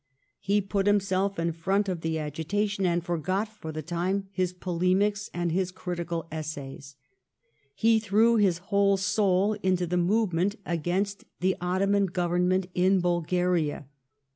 He put himself in front of the agitation, and forgot for the time his polemics and his criti cal essays. He threw his whole soul into the movement against the Ottoman Government in Bulgaria.